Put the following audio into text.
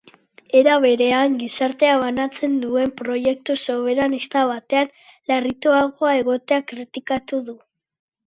Era berean, gizartea banatzen duen proiektu soberanista batean larrituagoa egotea kritikatu du.